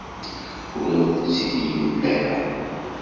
Ur awen-tt-id-yemla ara.